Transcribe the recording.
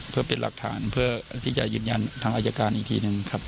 เพื่อเป็นหลักฐานเพื่อที่จะยืนยันทางอายการอีกทีหนึ่งครับ